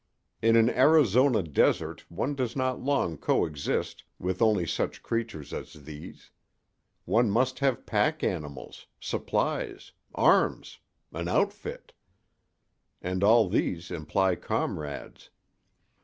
In an Arizona desert one does not long coexist with only such creatures as these: one must have pack animals, supplies, arms—"an outfit." And all these imply comrades.